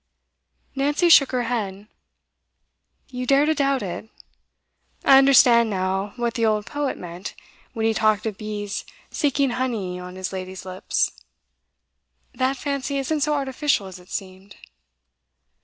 Nancy shook her head. 'You dare to doubt it? I understand now what the old poet meant, when he talked of bees seeking honey on his lady's lips. That fancy isn't so artificial as it seemed.